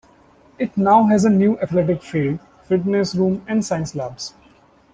It now has a new athletic field, fitness room, and science labs.